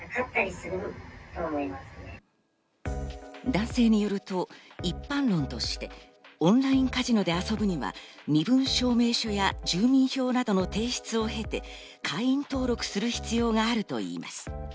男性によると一般論としてオンラインカジノで遊ぶには身分証明書や住民票などの提出を経て、会員登録する必要があるといいます。